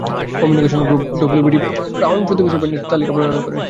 Communications group WPP ও Millward Brown প্রতিবছর BrandZ তালিকা প্রণয়ন করে।